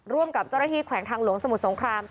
ร่วมกับเจ้าหน้าที่แขวงทางหลวงสมุทรสงคราม